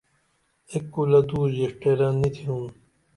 اک کُلہ دو ژیشٹٰیرہ نی تھینُن.